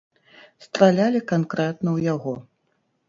Стралялі канкрэтна ў яго.